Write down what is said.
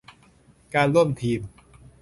การร่วมทีม